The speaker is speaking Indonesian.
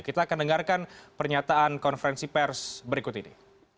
kita akan dengarkan pernyataan konferensi pers berikut ini